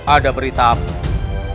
ada berita apa